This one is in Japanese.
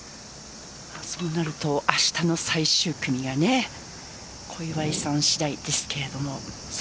そうなると明日の最終組が小祝さん次第ですけれども。